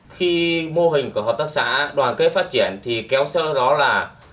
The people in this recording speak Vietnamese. khi mô hình của hợp tác xã đoàn kết phát triển thì kéo sơ đó là